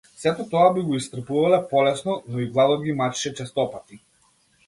Сето тоа би го истрпувале полесно, но и гладот ги мачеше честопати.